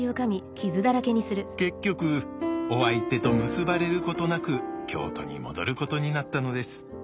結局お相手と結ばれることなく京都に戻ることになったのです。